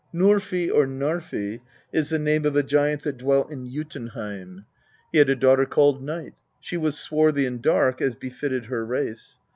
"Norfi or Narfi is the name of a giant that dwelt in Jo tunheim : he had a daughter called Night; she was swarthy and dark, as befitted her race.